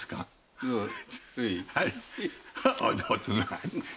はい。